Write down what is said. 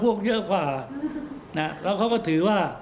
เยอะกว่านะแล้วเขาก็ถือว่า